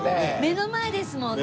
目の前ですもんね。